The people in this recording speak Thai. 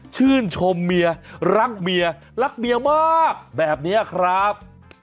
ชื่นชมเมียรักเมียรักเมียมากแบบนี้ครับ